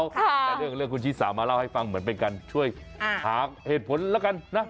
แต่เรื่องคุณชิสามาเล่าให้ฟังเหมือนเป็นการช่วยหาเหตุผลแล้วกันนะ